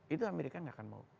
itu amerika nggak akan mau